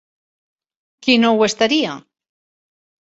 Qui no ho estaria?